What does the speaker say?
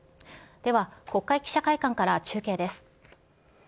では、国会記者会館から中継です。